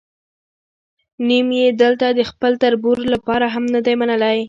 نیم یې دلته د خپل تربور لپاره هم نه دی منلی.